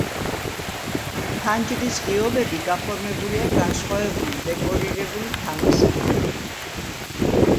ფანჯრის ღიობები გაფორმებულია განსხვავებული, დეკორირებული თამასებით.